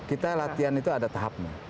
kita latihan itu ada tahapnya